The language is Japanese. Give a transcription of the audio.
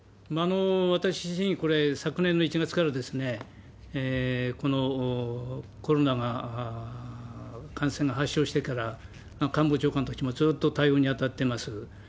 私自身、これ、昨年の１月から、このコロナが、感染が発生してから、官房長官たちもずーっと対応に当たってます。